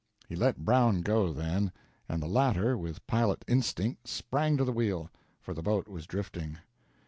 He let Brown go then, and the latter, with pilot instinct, sprang to the wheel, for the boat was drifting.